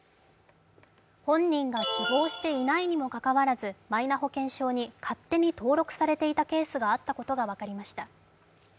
本人が希望していないにもかかわらずマイナ保険証に勝手に登録されていたケースがあったことが分かりました。